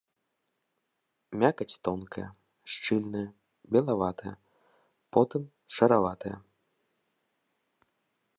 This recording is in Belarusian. Мякаць тонкая, шчыльная, белаватая, потым шараватая.